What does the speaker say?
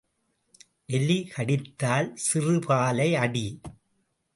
எலி கடித்தால் சிறுபாலை அடி.